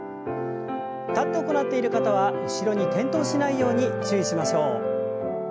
立って行っている方は後ろに転倒しないように注意しましょう。